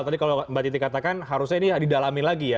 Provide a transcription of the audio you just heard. tadi kalau mbak titi katakan harusnya ini didalami lagi ya